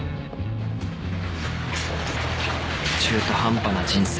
［中途半端な人生］